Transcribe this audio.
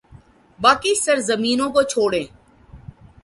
باقی سرزمینوں کو چھوڑیں۔